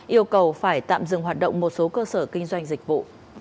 yêu cầu phải tạm dừng hoạt động một số cơ sở kinh doanh dịch vụ